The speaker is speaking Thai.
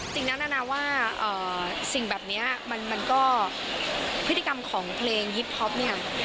สิ่งนั้นนานาว่าสิ่งแบบนี้มันก็พฤติกรรมของเพลงฮิปท็อปเนี่ย